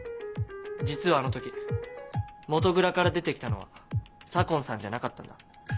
実はあの時元蔵から出て来たのは左紺さんじゃなかったんだ。